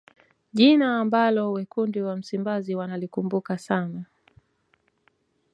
jina ambalo wekundu wa msimbazi wanalikumbuka sana